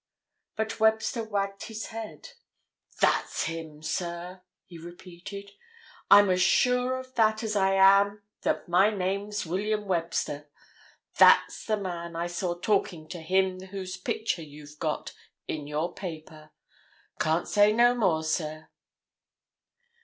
But Webster wagged his head. "That's him, sir!" he repeated. "I'm as sure of that as I am that my name's William Webster. That's the man I saw talking to him whose picture you've got in your paper. Can't say no more, sir."